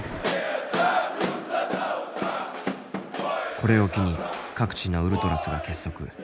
これを機に各地のウルトラスが結束。